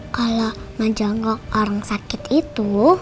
kalau menjangkau orang sakit itu